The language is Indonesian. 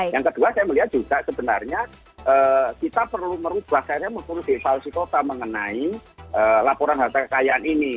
yang kedua saya melihat juga sebenarnya kita perlu merubah karya musuh di falsi kota mengenai laporan harta kekayaan ini